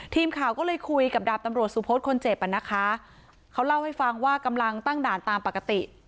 ทีมข่าวก็เลยคุยกับดาบตำรวจสุพธคนเจ็บอ่ะนะคะเขาเล่าให้ฟังว่ากำลังตั้งด่านตามปกติ